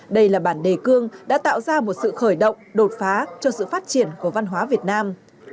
đây là bản đề cương đã tạo ra một sự khởi động đột phá cho sự phát triển của văn hóa việt nam